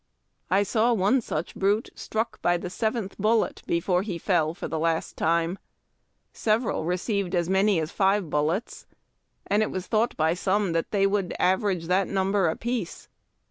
I saw one such brute struck by the seventh bullet before he fell for the last time. Several received as many as five REAL ' HORSE SENSE. bullets, and it was thought by some that they would average that number apiece.